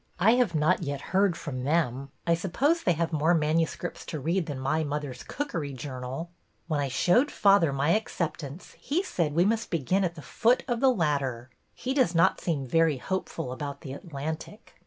I have not yet heard from them. I suppose they have more manuscripts to read than My Mother's Cookery Journal. When I showed father my accept ance, he said we must begin at the foot of the ladder. He does not seem very hopeful about The Atlantic.